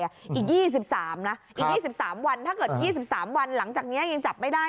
อีกยี่สิบสามนะอีกยี่สิบสามวันถ้าเกิดยี่สิบสามวันหลังจากเนี้ยยังจับไม่ได้